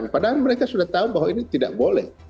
padahal mereka sudah tahu bahwa ini tidak boleh